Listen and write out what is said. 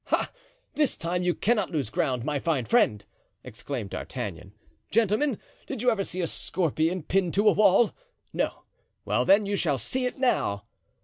"Ah, this time you cannot lose ground, my fine friend!" exclaimed D'Artagnan. "Gentlemen, did you ever see a scorpion pinned to a wall? No. Well, then, you shall see it now."